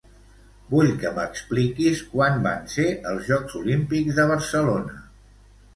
Vull que m'expliquis quan van ser els Jocs Olímpics de Barcelona.